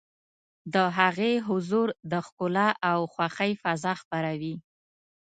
د هغې حضور د ښکلا او خوښۍ فضا خپروي.